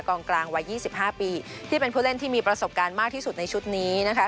กลางวัย๒๕ปีที่เป็นผู้เล่นที่มีประสบการณ์มากที่สุดในชุดนี้นะคะ